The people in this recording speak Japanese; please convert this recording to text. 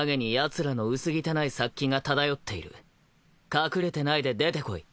隠れてないで出てこい。